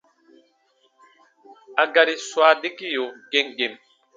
I gari swa dakiyo gem gem.